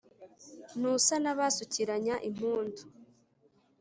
Ntusa n’abasukiranya impundu